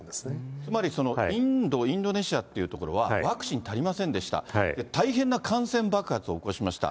つまり、インド、インドネシアっていう所は、ワクチン足りませんでした、大変な感染爆発を起こしました。